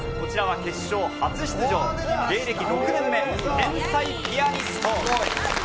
決勝初出場、芸歴６年目、天才ピアニスト。